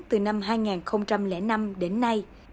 từ năm hai nghìn năm đến nay